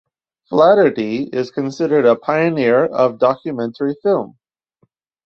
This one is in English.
Flaherty is considered a pioneer of documentary film.